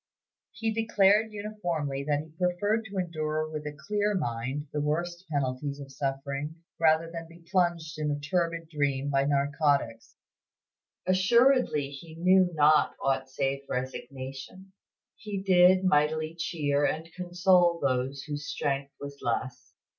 He declared uniformly that he preferred to endure with a clear mind the worst penalties of suffering rather than be plunged in a turbid dream by narcotics. His patience was unfailing; assuredly he knew not aught save resignation; he did mightily cheer and console those whose strength was less.